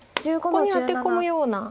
ここにアテ込むような。